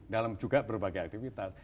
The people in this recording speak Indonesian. dalam juga berbagai aktivitas